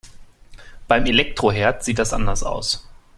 Beim Elektroherd sieht das anders aus.